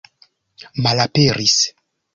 malaperis